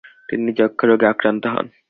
তিনি যক্ষারোগে আক্রান্ত হন।